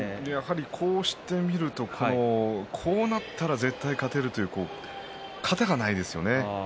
こうしてみるとこうなったら絶対勝てるという型がないですよね